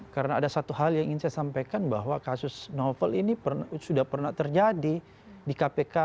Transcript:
karena ada satu hal yang ingin saya sampaikan bahwa kasus novel ini sudah pernah terjadi di kpk